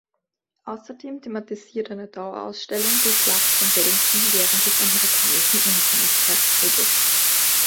Außerdem thematisiert eine Dauer-Ausstellung die Schlacht von Bennington während des Amerikanischen Unabhängigkeitskrieges.